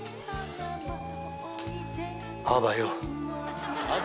あばよ。